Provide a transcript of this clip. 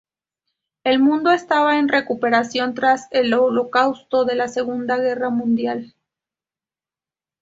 El mundo estaba en recuperación tras el holocausto de la Segunda Guerra Mundial.